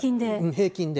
平均で。